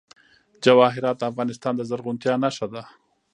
جواهرات د افغانستان د زرغونتیا نښه ده.